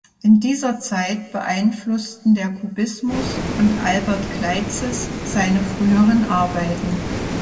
In dieser Zeit beeinflussten der Kubismus und Albert Gleizes seine früheren Arbeiten.